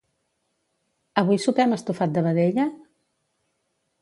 Avui sopem estofat de vedella?